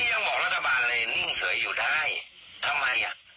ยังบอกรัฐบาลเลยนิ่งเฉยอยู่ได้ทำไมอ่ะ